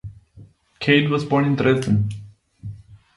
Kade was born in Dresden.